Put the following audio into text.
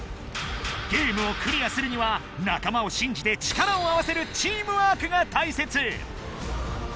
ゲームをクリアするには仲間を信じて力を合わせるチームワークが大切！